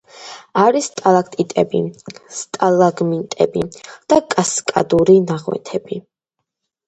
არის სტალაქტიტები, სტალაგმიტები და კასკადური ნაღვენთები.